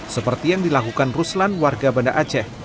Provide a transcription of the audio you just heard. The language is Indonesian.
seperti yang dilakukan ruslan warga banda aceh